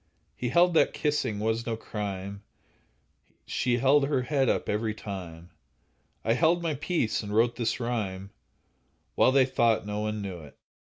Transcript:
He held that kissing was no crime; She held her head up every time; I held my peace, and wrote this rhyme, While they thought no one knew it.